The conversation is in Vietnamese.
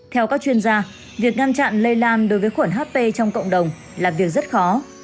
theo các chuyên gia việc ngăn chặn lây lan đối với khuẩn hp trong cộng đồng là việc rất khó